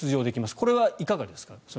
これはいかがですか？